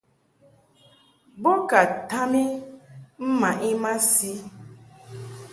Bo ka tam I mmaʼ I masi.